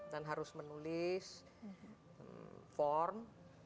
dan harus menulis form